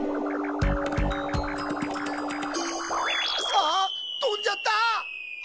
あっとんじゃった！